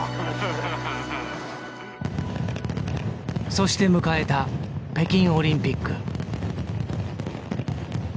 そして迎えた北京オリンピック。